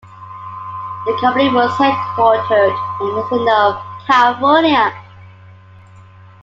The company was headquartered in Encino, California.